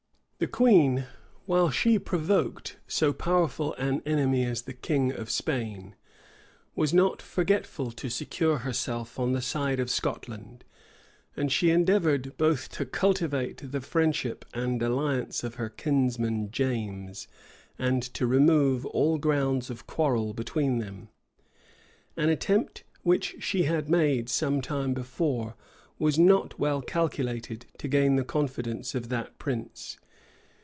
The queen, while she provoked so powerful an enemy as the king of Spain, was not forgetful to secure herself on the side of Scotland; and she endeavored both to cultivate the friendship and alliance of her kinsman James, and to remove all grounds of quarrel between them. An attempt which she had made some time before was not well calculated to gain Ihe confidence of that prince.